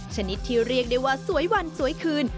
ชนิดที่เรียกได้ว่าสวยวันสวยคืน